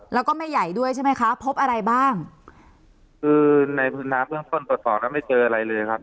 แล้วก็ไม่ใหญ่ด้วยใช่ไหมคะพบอะไรบ้างคือในพื้นน้ำเบื้องต้นตรวจสอบแล้วไม่เจออะไรเลยครับ